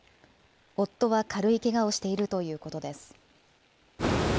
夫は軽いけがをしているということです。